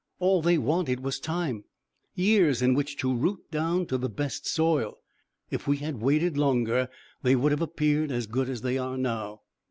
All they wanted was time years in which to root down to the best soil. If we had waited longer they would have appeared as good as they are now."